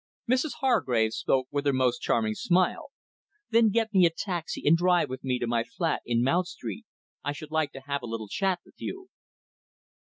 Mrs Hargrave spoke with her most charming smile. "Then get me a taxi, and drive with me to my flat in Mount Street. I should like to have a little chat with you."